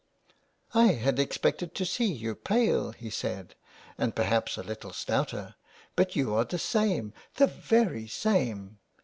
" I had expected to see you pale," he said, " and perhaps a little stouter, but you are the same, the very same."